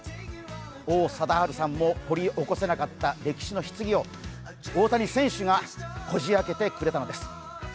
王貞治さんも掘り起こせなかった歴史の棺を大谷選手がこじ開けてくれたのです。